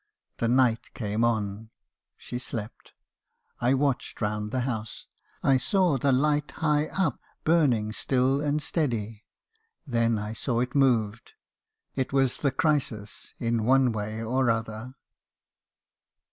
The night came on. She slept. I watched round the house. I saw the light high up, burning still and steady. Then I saw it moved. It was the crisis, in one way or other."